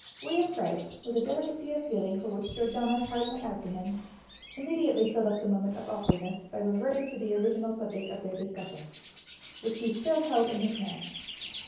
William Price, with a delicacy of feeling for which Georgiana's heart went out to him, immediately filled up the moment of awkwardness by reverting to the original subject of their discussion, which he still held in his hand.